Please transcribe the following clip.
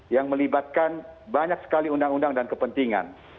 yang melibatkan banyak sekali undang undang dan kepentingan